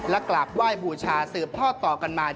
และกราบไหว้บูชาสืบทอดต่อกันมา